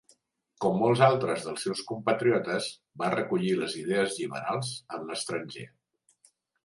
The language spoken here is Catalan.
Com molts altres dels seus compatriotes, va recollir les idees lliberals en l'estranger.